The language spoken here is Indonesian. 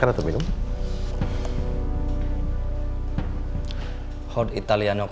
awasin terus mereka ya